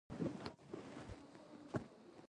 د ښوونځي د اصولو نه منل، جرم ګڼل کېده.